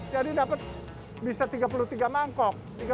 jadi dapet bisa tiga puluh tiga mangkok